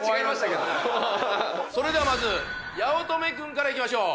まず八乙女君からいきましょう。